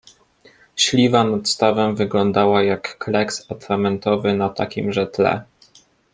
Śliwa nad stawem wyglądała jak kleks atramentowy na takimże tle.